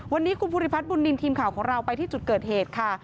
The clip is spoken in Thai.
วันนี้กรุงภูริภัทร์บุณในค่าของเราไปที่จุดเกิดเหตุค่ะ